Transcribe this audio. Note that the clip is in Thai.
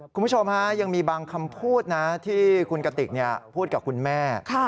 คุณผู้ชมฮะยังมีบางคำพูดนะที่คุณกติกพูดกับคุณแม่